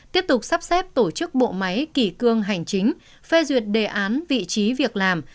tiếp tục sắp xếp tổ chức bộ máy kỷ cương hành chính phê duyệt đề án vị trí việc làm